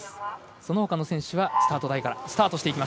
そのほかの選手はスタート台からスタート。